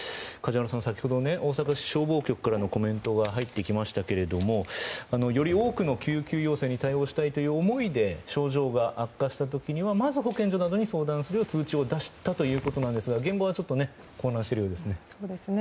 梶原さん、先ほど大阪市消防局からのコメントが入ってきましたがより多くの救急要請に対応したいという思いで症状が悪化した時にはまず保健所などに相談する通知を出したということなんですが現場は混乱しているようですね。